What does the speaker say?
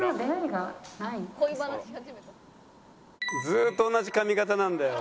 ずっと同じ髪形なんだよ。